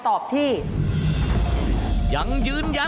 ตัดไปเลย